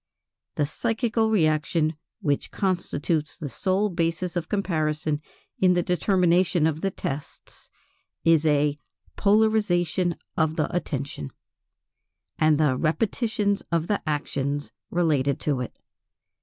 The psychical reaction which constitutes the sole basis of comparison in the determination of the tests, is a polarization of the attention, and the repetition of the actions related to it.